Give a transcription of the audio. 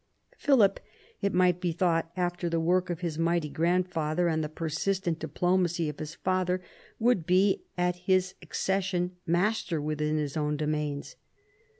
Philip, it might be thought, after the work of his mighty grandfather and the persistent diplomacy of his father, would be at his accession master within his own domains.